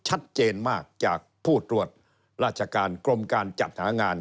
ชัดเจนมากจากผู้ตรวจราชการกรมการจัดหางาน